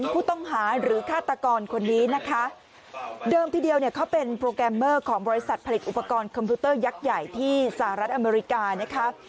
ผู้ต้องหาหรือฆาตกรคนนี้นะคะเดิมทีเดียวเนี่ยเขาเป็นโปรแกรมเมอร์ของบริษัทผลิตอุปกรณ์คอมพิวเตอร์ยักษ์ใหญ่ที่สหรัฐอเมริกานะคะ